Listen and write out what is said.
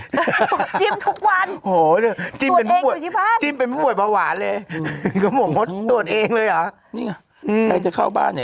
ตรวจจิ้มทุกวันตรวจเองอยู่ที่บ้านจิ้มเป็นผู้บ่อยจิ้มเป็นผู้บ่อยเพราะหวานเลย